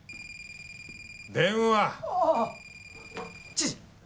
知事。